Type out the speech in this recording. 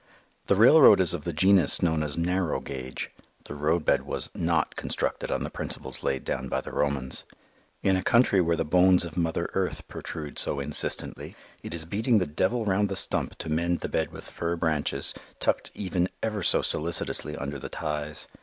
The railroad is of the genus known as narrow gauge; the roadbed was not constructed on the principles laid down by the Romans. In a country where the bones of Mother Earth protrude so insistently, it is beating the devil round the stump to mend the bed with fir branches tucked even ever so solicitously under the ties.